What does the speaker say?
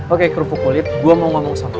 oke kerupuk kulit gua mau ngomong sama lu